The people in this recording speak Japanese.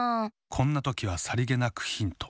こんなときはさりげなくヒント。